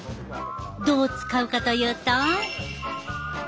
どう使うかというと。